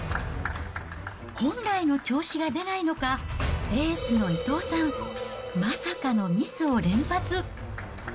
本来の調子が出ないのか、エースの伊藤さん、まさかのミスを連発。